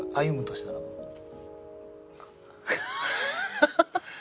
ハハハハ！